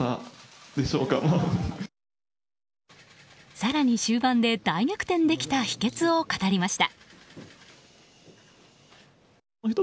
更に終盤で大逆転できた秘訣を語りました。